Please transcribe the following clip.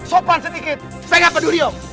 sopan sedikit saya gak peduli oh